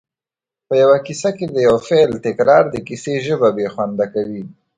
په یوه کیسه کې د یو فعل تکرار د کیسې ژبه بې خونده کوي